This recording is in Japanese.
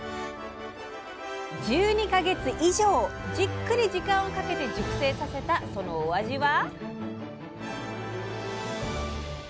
１２か月以上じっくり時間をかけて熟成させたそのお味は？